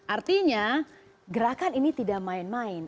artinya gerakan ini tidak main main